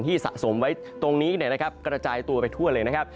ที่สะสมไว้ตรงนี้กระจายตัวไปทั่วเลย